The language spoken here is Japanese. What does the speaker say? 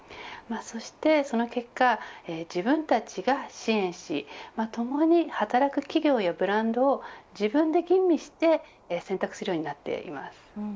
そして、その結果自分たちが支援しともに働く企業やブランドを自分で吟味して選択するようになっています。